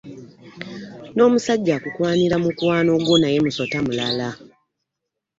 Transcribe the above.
N'omusajja akukwanira mukwano gwo naye musota mulala.